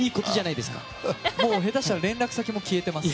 下手したら連絡先ももう消えています。